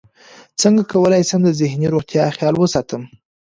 څنګه کولی شم د ذهني روغتیا خیال وساتم